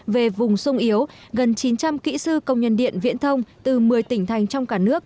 về vùng sung yếu gần chín trăm linh kỹ sư công nhân điện viễn thông từ một mươi tỉnh thành trong cả nước